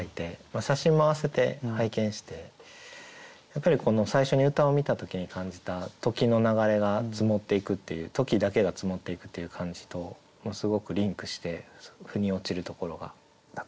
写真も併せて拝見してやっぱり最初に歌を見た時に感じた時の流れが積もっていくっていう時だけが積もっていくっていう感じとすごくリンクしてふに落ちるところがたくさんありました。